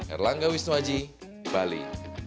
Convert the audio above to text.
erlangga wisnuaji bali